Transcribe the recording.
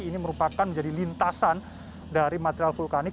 ini merupakan menjadi lintasan dari material vulkanik